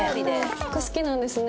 服好きなんですね。